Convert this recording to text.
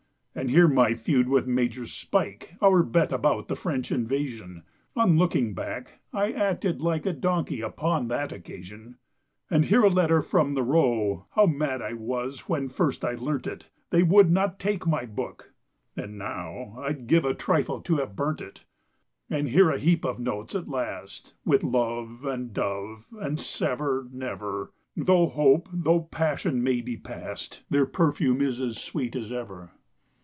And here my feud with Major Spike, Our bet about the French Invasion; On looking back I acted like A donkey upon that occasion. And here a letter from "the Row,"— How mad I was when first I learnt it! They would not take my Book, and now I'd give a trifle to have burnt it. And here a heap of notes, at last, With "love" and "dove," and "sever" "never"— Though hope, though passion may be past, Their perfume is as sweet as ever.